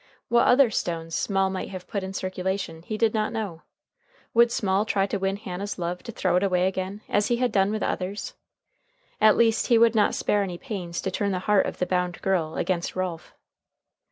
What other stones Small might have put in circulation he did not know. Would Small try to win Hannah's love to throw it away again, as he had done with others? At least he would not spare any pains to turn the heart of the bound girl against Ralph.